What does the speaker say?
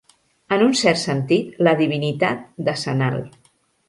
En un cert sentit, la divinitat decennal.